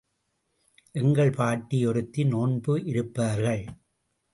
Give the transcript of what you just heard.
எங்கள் பாட்டி ஒருத்தி நோன்பு இருப்பார்கள்.